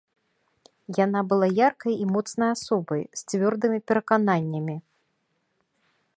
Яна была яркай і моцнай асобай з цвёрдымі перакананнямі.